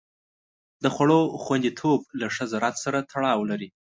د خوړو خوندیتوب له ښه زراعت سره تړاو لري.